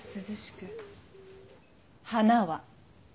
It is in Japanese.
花は。